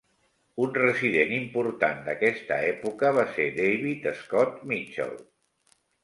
Un resident important d'aquesta època va ser David Scott Mitchell.